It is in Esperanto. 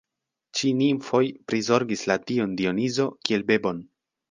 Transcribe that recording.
Ĉi nimfoj prizorgis la Dion Dionizo kiel bebon.